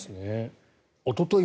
おととい